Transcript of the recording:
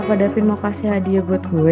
apa dapin mau kasih hadiah buat gue